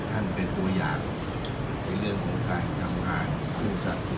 ขอบคุณทุกคนเจอวิธีควรรดิ์อย่างสาธารณะทุกคน